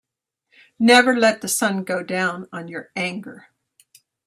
Never let the sun go down on your anger.